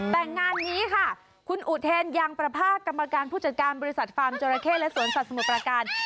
แต่งานนี้ค่ะคุณอุเทนยังประภาคกรรมการผู้จัดการบริษัทฟาร์มจราเข้และสวนสัตว์สมุทรประการ